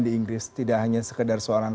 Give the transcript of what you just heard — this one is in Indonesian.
di inggris tidak hanya sekedar seorang